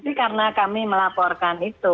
tapi karena kami melaporkan itu